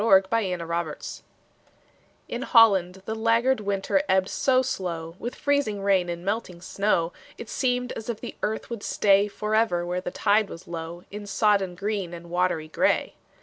FLOOD TIDE OF FLOWERS IN HOLLAND The laggard winter ebbed so slow With freezing rain and melting snow, It seemed as if the earth would stay Forever where the tide was low, In sodden green and watery gray.